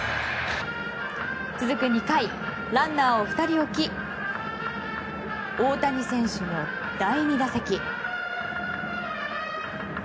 続く２回、ランナーを２人置き大谷選手の第２打席。